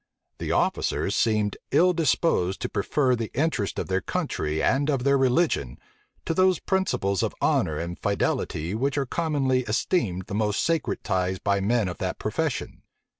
The officers seemed ill disposed to prefer the interests of their country and of their religion, to those principles of honor and fidelity which are commonly esteemed the most sacred ties by men of that profession.